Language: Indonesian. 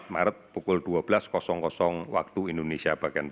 dua puluh empat maret pukul dua belas wib